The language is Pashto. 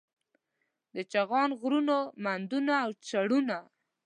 د چغان غرونه، مندونه او چړونه